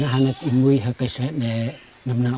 mengenai komponen baju